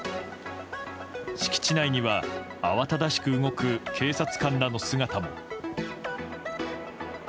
敷地内には慌ただしく動く警察官らの姿も。